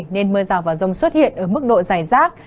nên mưa rào và rông xuất hiện ở mức độ dài rác